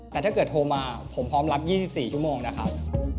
แต่ถ้าเกิดโทรมาผมพร้อมรับ๒๔ชั่วโมงนะครับ